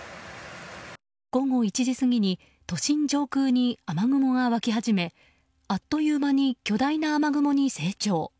午後１時過ぎに都心上空に雨雲が湧き始めあっという間に巨大な雨雲に成長。